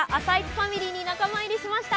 ファミリーに仲間入りしました。